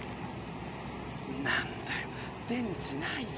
何だよ電池ないじゃん。